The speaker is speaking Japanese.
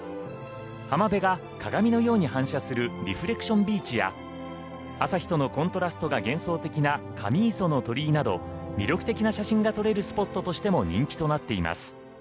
浜辺が鏡のように反射するリフレクションビーチや朝日とのコントラストが幻想的なカミイソの鳥居など魅力的な写真が撮れるスポットとしても人気となっています。